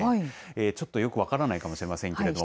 ちょっとよく分からないかもしれないですけども。